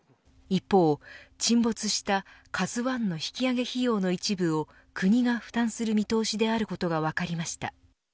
一方、沈没したＫＡＺＵ１の引き揚げ費用の一部を国が負担する見通しであることが分かりました。